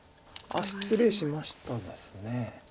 失礼しましたですね。